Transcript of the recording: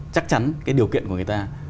chắc chắn cái điều kiện của người ta